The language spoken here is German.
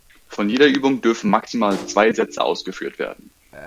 Von jeder Übung dürfen maximal zwei Sätze ausgeführt werden.